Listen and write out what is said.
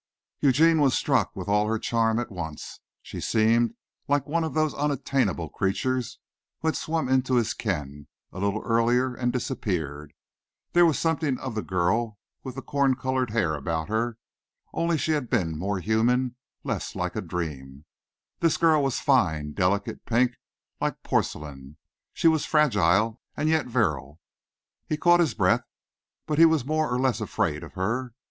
Eugene was struck with all her charm at once. She seemed like one of those unattainable creatures who had swum into his ken a little earlier and disappeared. There was something of the girl with the corn colored hair about her, only she had been more human, less like a dream. This girl was fine, delicate, pink, like porcelain. She was fragile and yet virile. He caught his breath, but he was more or less afraid of her.